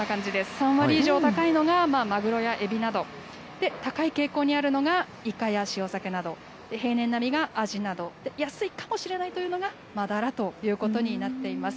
３割以上高いのがマグロやエビなど、高い傾向にあるのが、イカや塩サケなど、平年並みがアジなど、安いかもしれないというのが、マダラということになっています。